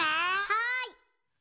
はい！